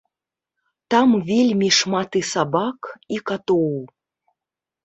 Там вельмі шмат і сабак, і катоў.